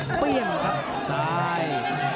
เปลี่ยนครับซ้าย